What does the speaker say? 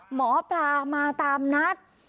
หมอปลามาตามนัด